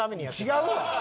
違うわ！